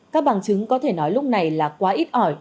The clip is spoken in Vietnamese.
các bằng chứng có thể nói lúc này là quá ít ỏi